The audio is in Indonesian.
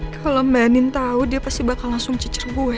kalau mbak nin tahu dia pasti bakal langsung cicerbu ya